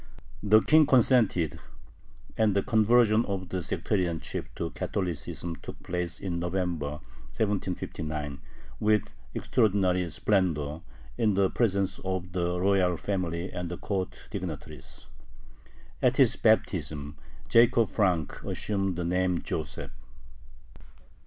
The King consented, and the conversion of the sectarian chief to Catholicism took place in November, 1759, with extraordinary splendor, in the presence of the royal family and the court dignitaries. At his baptism Jacob Frank assumed the name Joseph.